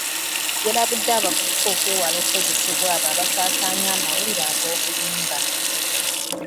Yalabude abavubuka okwewala okukozesebwa abo abasasaanya amawulire ag’obulimba.